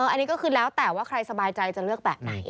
อันนี้ก็คือแล้วแต่ว่าใครสบายใจจะเลือกแบบไหน